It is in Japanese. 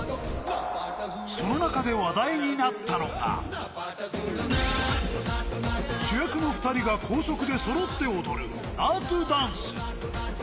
その中で話題になったのが、主役の２人が高速で揃って踊るナートゥダンス。